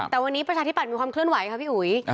แต่วันนี้ประชาธิบัตย์มีความเคลื่อนไหวค่ะพี่อุ๋ย